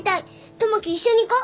友樹一緒に行こう。